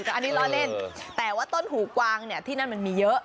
แต่อันนี้ล้อเล่นแต่ว่าต้นหูกวางเนี่ยที่นั่นมันมีเยอะ